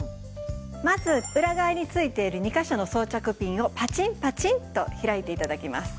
まず裏側に付いている２カ所の装着ピンをパチンパチンと開いて頂きます。